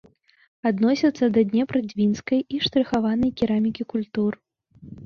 Адносіцца да днепра-дзвінскай і штрыхаванай керамікі культур.